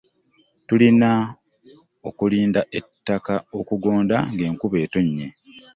Tulina okulinda ettaka okugonda ng'enkuba etonnye.